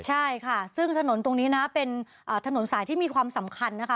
ใช่ค่ะซึ่งถนนตรงนี้นะเป็นถนนสายที่มีความสำคัญนะคะ